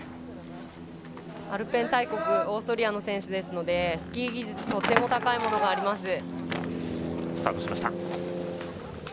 アルペン大国オーストリアの選手ですのでスキー技術とても高いものがあります。